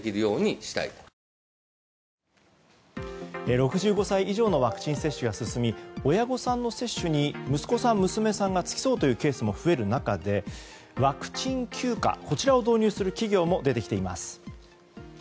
６５歳以上のワクチン接種が進み親御さんの接種に息子さん、娘さんが付き添うというケースも増える中でワクチン休暇を導入する企業も出てきています。